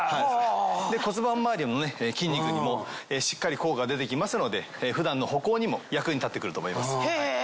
骨盤周りの筋肉にもしっかり効果が出て来ますので普段の歩行にも役に立って来ると思います。